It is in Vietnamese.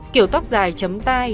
kiểu tóc dài chấm tay